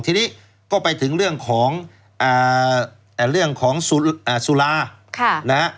ทีนี้ก็ไปถึงเรื่องของสุรานะฮะ